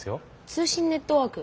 通信ネットワーク？